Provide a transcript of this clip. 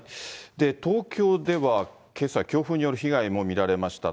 東京ではけさ、強風による被害も見られました。